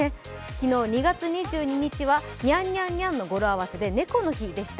昨日２月２２日は、にゃんにゃんにゃんの語呂合わせで猫の日でした。